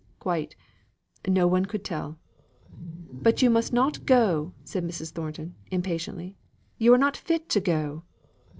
"Quite; no one could tell." "But you must not go," said Mrs. Thornton, impatiently. "You are not fit to go."